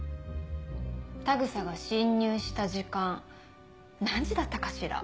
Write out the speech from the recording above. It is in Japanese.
田草が侵入した時間何時だったかしら？